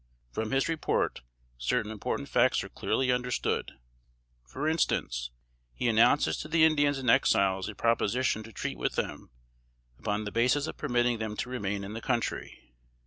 From his report, certain important facts are clearly understood. For instance, he announces to the Indians and Exiles a proposition to treat with them, upon the basis of permitting them to remain in the country.